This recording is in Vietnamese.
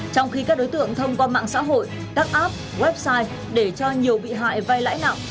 trong khi các đối tượng thông qua mạng xã hội các app website để cho nhiều bị hại vai lãi nặng